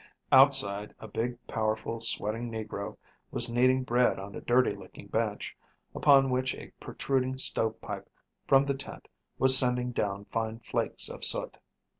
Outside a big, powerful, sweating negro was kneading bread on a dirty looking bench, upon which a protruding stove pipe from the tent was sending down fine flakes of soot.